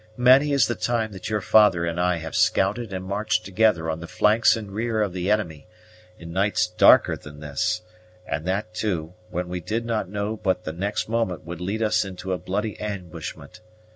many is the time that your father and I have scouted and marched together on the flanks and rear of the enemy, in nights darker than this, and that, too, when we did not know but the next moment would lead us into a bloody ambushment.